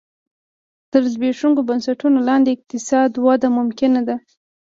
تر زبېښونکو بنسټونو لاندې اقتصادي وده ممکنه ده